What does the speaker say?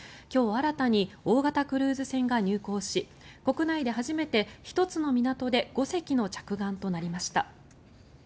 新たに大型クルーズ船が入港し国内で初めて、１つの港で５隻の着岸となりました。